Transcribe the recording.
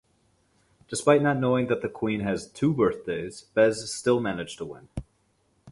Despite not knowing that the Queen has two birthdays, Bez still managed to win.